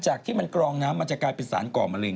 ที่มันกรองน้ำมันจะกลายเป็นสารก่อมะเร็